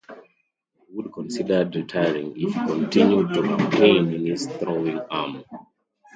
Wood considered retiring if he continued to have pain in his throwing arm.